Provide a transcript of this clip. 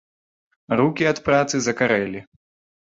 Рукі ад працы закарэлі.